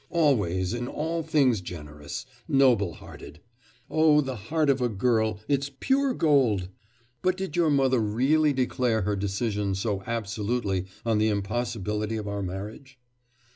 'Always, in all things generous, noble hearted! Oh, the heart of a girl it's pure gold! But did your mother really declare her decision so absolutely on the impossibility of our marriage?